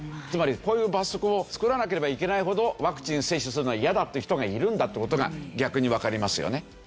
つまりこういう罰則を作らなければいけないほどワクチンを接種するのは嫌だっていう人がいるんだって事が逆にわかりますよね。